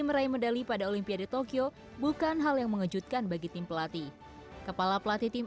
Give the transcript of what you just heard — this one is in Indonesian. meraih medali pada olimpiade tokyo bukan hal yang mengejutkan bagi tim pelatih kepala pelatih tim